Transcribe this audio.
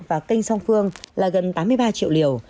và kênh song phương là gần tám mươi ba triệu liều